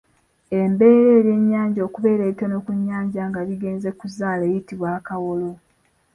Embeera ebyennyanja okubeera ebitono ku nnyanja nga bigenze kuzaala eyitibwa akawolo .